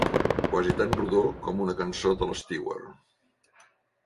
Quasi tan rodó com una cançó de l'Stweart.